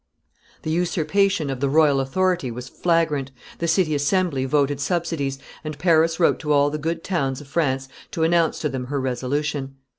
The usurpation of the royal authority was flagrant, the city assembly voted subsidies, and Paris wrote to all the good towns of France to announce to them her resolution.